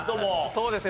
そうですね。